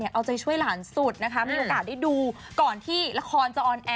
เอาใจช่วยหลานสุดนะคะมีโอกาสได้ดูก่อนที่ละครจะออนแอร์